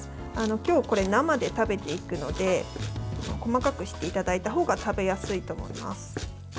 今日これ、生で食べていくので細かくしていただいた方が食べやすいと思います。